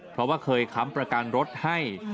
เพราะว่าเคยค้ำประกันรถให้